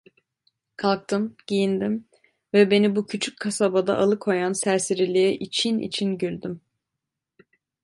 Kalktım, giyindim ve beni bu küçük kasabada alıkoyan serseriliğe için için güldüm.